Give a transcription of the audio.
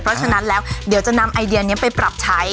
เพราะฉะนั้นแล้วเดี๋ยวจะนำไอเดียนี้ไปปรับใช้